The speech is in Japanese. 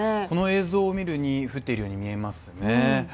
この映像を見るに降っているように見えますね。